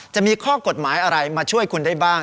จะมีข้อกฎหมายอะไรมาช่วยคุณได้บ้าง